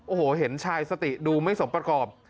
โอ้โหเห็นชายสติดูไม่สมประกอบ